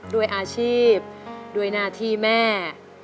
ด้วยอาชีพด้วยหน้าที่แม่